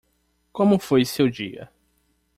Como foi seu dia